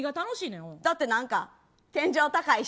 だってなんか天井高いし。